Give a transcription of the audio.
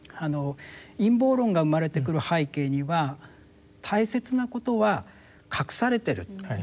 陰謀論が生まれてくる背景には大切なことは隠されてるという常識があるわけですよね。